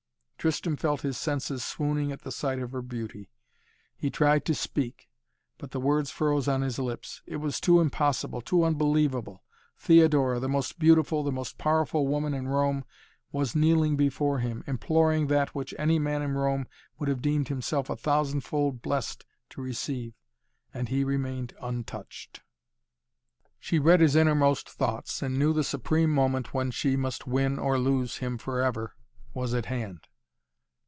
Tristan felt his senses swooning at the sight of her beauty. He tried to speak, but the words froze on his lips. It was too impossible, too unbelievable. Theodora, the most beautiful, the most powerful woman in Rome was kneeling before him, imploring that which any man in Rome would have deemed himself a thousand fold blessed to receive. And he remained untouched. She read his innermost thoughts and knew the supreme moment when she must win or lose him forever was at hand.